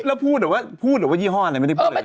แล้วพูดแบบว่าพูดหรือว่ายี่ห้ออะไรไม่ได้พูดอะไร